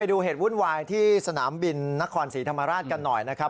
ดูเหตุวุ่นวายที่สนามบินนครศรีธรรมราชกันหน่อยนะครับ